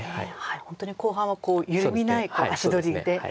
本当に後半は緩みない足取りで。